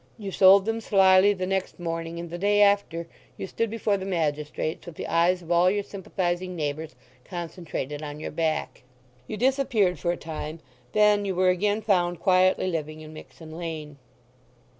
You sold them slily the next morning, and the day after you stood before the magistrates with the eyes of all your sympathizing neighbours concentrated on your back. You disappeared for a time; then you were again found quietly living in Mixen Lane.